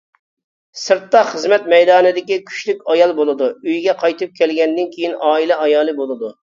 سىرتتا خىزمەت مەيدانىدىكى كۈچلۈك ئايال بولىدۇ، ئۆيىگە قايتىپ كەلگەندىن كىيىن ئائىلە ئايالى بولىدۇ.